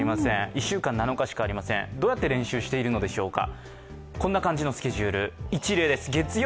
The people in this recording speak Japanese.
１週間７日しかありません、どうやって練習しているんでしょうか。